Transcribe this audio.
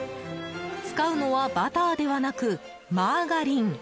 使うのはバターではなく、マーガリン。